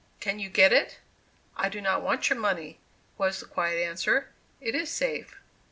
Can you get it?" "I do not want your money," was the quiet answer. "It is safe."